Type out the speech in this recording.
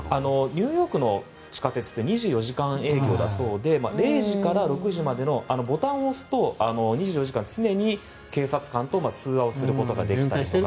ニューヨークの地下鉄って２４時間営業だそうで０時から６時までのボタンを押すと２４時間、常に警察官と通話できたりとか。